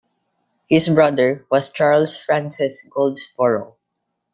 His brother was Charles Frances Goldsborough.